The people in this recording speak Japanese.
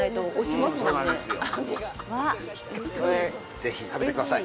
ぜひ食べてください。